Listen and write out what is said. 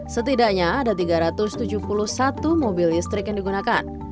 setidaknya ada tiga ratus tujuh puluh satu mobil listrik yang digunakan